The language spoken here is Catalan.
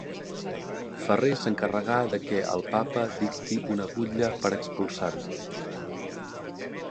Ferrer s'encarregà de què el papa dicti una butlla per expulsar-los.